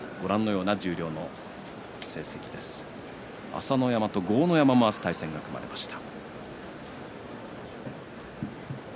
朝乃山と豪ノ山も明日、対戦が組まれました。